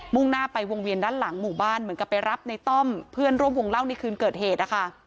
่งหน้าไปวงเวียนด้านหลังหมู่บ้านเหมือนกับไปรับในต้อมเพื่อนร่วมวงเล่าในคืนเกิดเหตุนะคะ